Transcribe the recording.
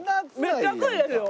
めっちゃ熱いですよ。